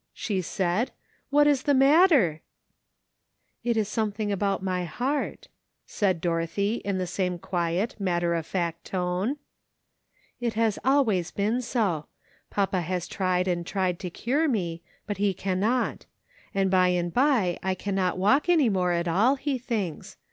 " she said, " what is the matter?" 174 "80 YOU iVANT TO 00 HOME?'* " It is something about my heart," said Dorothy in the same quiet, matter of fact tone. " It has always been so ; papa has tried and tried to cure me, but he cannot; and by and by I cannot walk any more at all, he thinks.